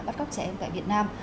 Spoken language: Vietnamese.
bắt cóc trẻ em tại việt nam